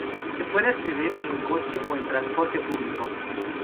Se puede acceder en coche o en transporte público.